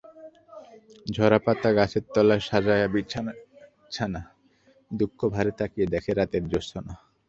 ঝরা পাতা গাছের তলায় সাজায় বিছানা, দুঃখ ভারে তাকিয়ে দেখে রাতের জোছনা।